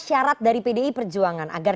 syarat dari pdi perjuangan agar